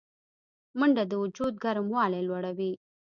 منډه د وجود ګرموالی لوړوي